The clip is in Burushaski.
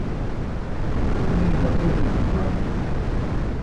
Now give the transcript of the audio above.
Ṭʰi̇r ni̇i̇n maṭʰi̇r di̇cum juwan.